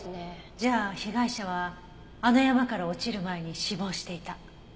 じゃあ被害者はあの山から落ちる前に死亡していた。